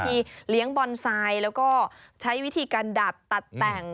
เลี้ยงบอนไซด์แล้วก็ใช้วิธีการดับตัดแต่ง